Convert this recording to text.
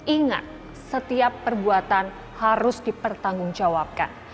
ingat setiap perbuatan harus dipertanggungjawabkan